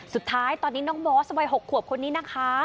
สุดท้ายตอนนี้น้องมอสวัย๖ขวบคนนี้นะคะ